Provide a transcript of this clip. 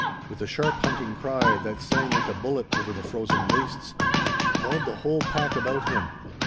With a sharp hunting cry, that sang like a bullet over the frozen wastes, he called the whole pack about him.